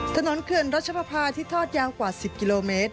ถนนเกินรัชภพาที่ทอดยางกว่า๑๐กิโลเมตร